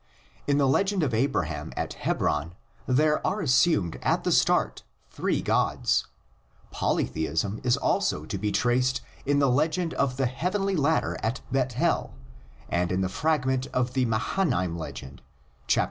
In the legend of Abraham at Hebron there are assumed at the start three gods; polytheism is also to be traced in the legend of the heavenly ladder at Bethel and in the fragment of the Mahanaim legend, xxxii.